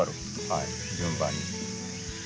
はい順番に。